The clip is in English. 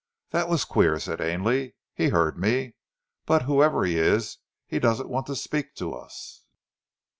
"That was queer," said Ainley. "He heard me, but whoever he is he doesn't want to speak to us."